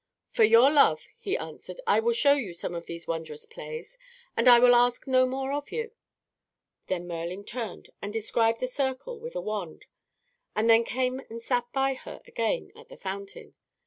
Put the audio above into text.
"For your love," he answered, "I will show you some of these wondrous plays, and I will ask no more of you." Then Merlin turned and described a circle with a wand and then came and sat by her again at the fountain.